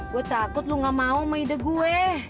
gue takut lo gak mau sama ide gue